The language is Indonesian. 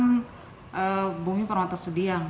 di perumahan bungi parwata sudiang